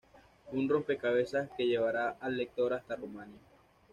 Un rompecabezas que llevará al lector hasta Rumanía.